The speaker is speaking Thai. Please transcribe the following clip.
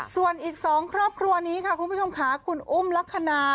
ส่วนอีก๒ครอบครัวนี้ค่ะคุณผู้ชมค่ะคุณอุ้มลักษณะ